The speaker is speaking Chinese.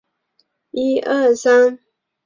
性爱娃娃也可能成为性病传染的途径。